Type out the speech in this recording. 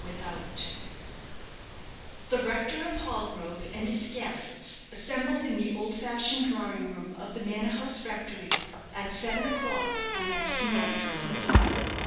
The rector of Hallgrove and his guests assembled in the old fashioned drawing room of the manor house rectory at seven o'clock on that snowy Christmas night.